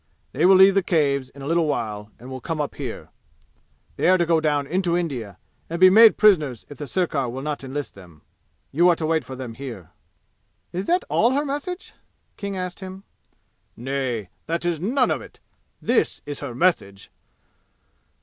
They will leave the Caves in a little while and will come up here. They are to go down into India and be made prisoners if the sirkar will not enlist them. You are to wait for them here." "Is that all her message?" King asked him. "Nay. That is none of it! This is her message.